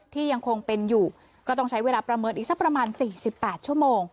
ยังคงเป็นอยู่ก็ต้องใช้เวลาประเมินอีกสักประมาณ๔๘ชั่วโมง